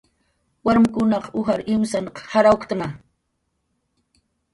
Warmkunaq ujar imsanq jarawuktna